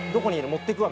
持ってくわ」